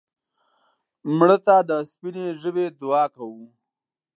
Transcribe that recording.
مړه ته د سپینې ژبې دعا کوو